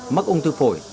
mắc ung thư phổi